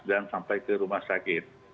dan sampai ke rumah sakit